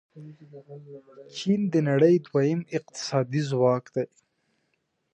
چین د نړۍ دویم اقتصادي ځواک دی.